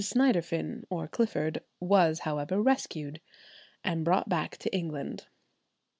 Synderfin or Clifford was, however, rescued, and brought back to England.